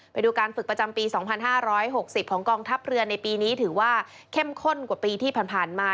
ไปดูการฝึกประจำปี๒๕๖๐ของกองทัพเรือในปีนี้ถือว่าเข้มข้นกว่าปีที่ผ่านมา